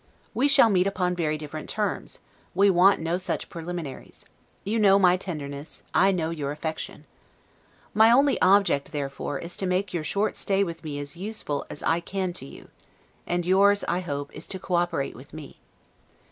We shall meet upon very different terms; we want no such preliminaries: you know my tenderness, I know your affection. My only object, therefore, is to make your short stay with me as useful as I can to you; and yours, I hope, is to co operate with me.